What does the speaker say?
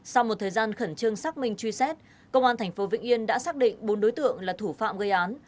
sau một thời gian khẩn trương xác minh truy xét công an tp vĩnh yên đã xác định bốn đối tượng là thủ phạm gây án